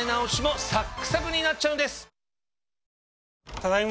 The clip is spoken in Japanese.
ただいま。